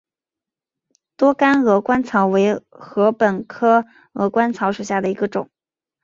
多秆鹅观草为禾本科鹅观草属下的一个种。